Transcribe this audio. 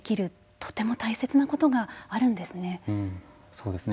とても大切なことがあるんですね。